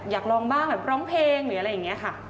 อยากลองบ้างแบบร้องเพลงหรืออะไรอย่างนี้ค่ะ